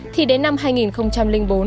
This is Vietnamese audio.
thì đến năm hai nghìn bốn